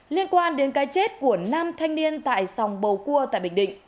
liên quan đến cái chết của nam thanh niên tại sòng bầu cua tại bình định